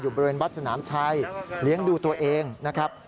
บริเวณวัดสนามชัยเลี้ยงดูตัวเองนะครับ